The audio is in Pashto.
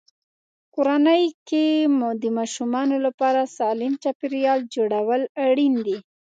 کورنۍ کې د ماشومانو لپاره سالم چاپېریال جوړول اړین دي.